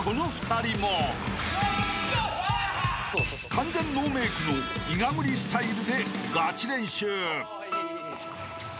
［完全ノーメークのいがぐりスタイルでガチ練習］